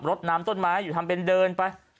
รถน้ำต้นไม้อยู่ทำเป็นเดินไป